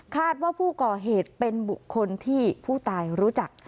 ว่าผู้ก่อเหตุเป็นบุคคลที่ผู้ตายรู้จัก